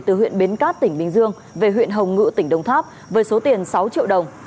từ huyện bến cát tỉnh bình dương về huyện hồng ngự tỉnh đông tháp với số tiền sáu triệu đồng